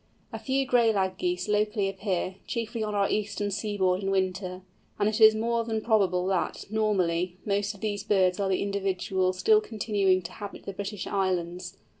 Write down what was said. A few Gray Lag Geese locally appear, chiefly on our eastern seaboard in winter, and it is more than probable that, normally, most of these birds are the individuals still continuing to inhabit the British Islands.